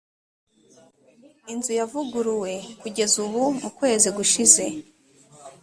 inzu yavuguruwe kugeza ubu mukwezi gushize.